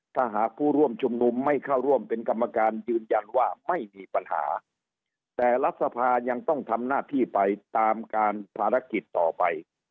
ถ้าหากผู้ร่วมชุมนุมไม่เข้าร่วมเป็นกรรมการยืนยันว่าไม่มีปัญหาแต่รัฐสภายังต้องทำหน้าที่ไปตามการภารกิจต่อไป